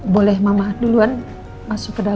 boleh mama duluan masuk ke dalam ya